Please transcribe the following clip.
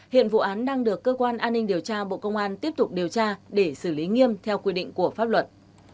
hiện vụ án đang được cơ quan an ninh điều tra bộ công an tiếp tục điều tra để xử lý nghiêm theo quy định của pháp luật